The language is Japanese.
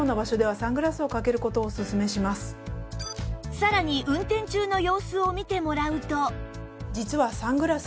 さらに運転中の様子を見てもらうと